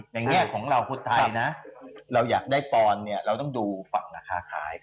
แง่ของเราคนไทยนะเราอยากได้ปอนด์เนี่ยเราต้องดูฝั่งราคาขาย